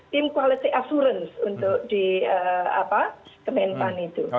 tim quality assurance untuk dikemenpan itu